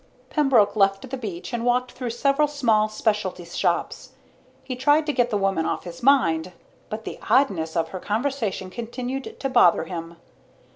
Pembroke left the beach and walked through several small specialty shops. He tried to get the woman off his mind, but the oddness of her conversation continued to bother him.